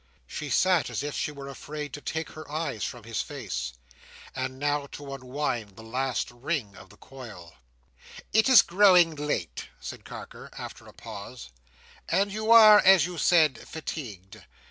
She sat as if she were afraid to take her eyes from his face. And now to unwind the last ring of the coil! "It is growing late," said Carker, after a pause, "and you are, as you said, fatigued.